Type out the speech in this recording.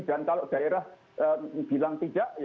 dan kalau daerah bilang tidak